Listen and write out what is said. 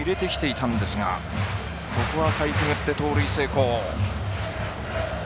ここはかいくぐって盗塁成功。